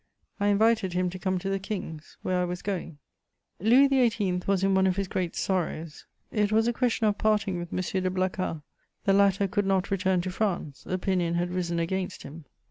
I invited him to come to the King's, where I was going. Louis XVIII. was in one of his great sorrows: it was a question of parting with M. de Blacas; the latter could not return to France; opinion had risen against him.